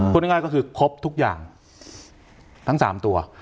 พูดง่ายก็คือครบทุกอย่างทั้ง๓ตัว